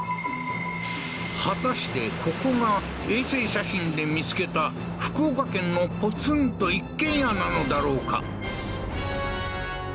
果たしてここが衛星写真で見つけた福岡県のポツンと一軒家なのだろうか？